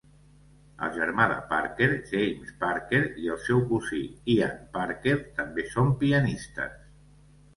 El germà de Parker, James Parker, i el seu cosí Ian Parker també són pianistes.